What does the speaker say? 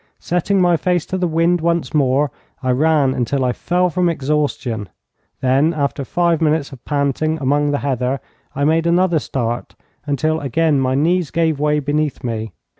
Setting my face to the wind once more, I ran until I fell from exhaustion. Then, after five minutes of panting among the heather, I made another start, until again my knees gave way beneath me.